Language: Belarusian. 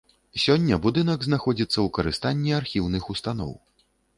Сёння будынак знаходзіцца ў карыстанні архіўных устаноў.